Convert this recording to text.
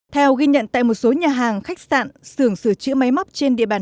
theo ghi nhận tại một số nhà hàng khách sạn xưởng sửa chữa máy móc trên địa bàn